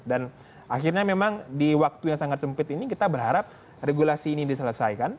dan akhirnya memang di waktu yang sangat sempit ini kita berharap regulasi ini diselesaikan